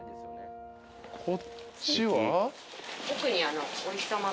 こっちは？